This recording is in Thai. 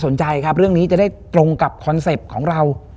สนใจครับเรื่องนี้จะได้ตรงกับคอนเซ็ปต์ของเรา